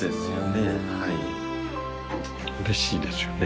うれしいですよね。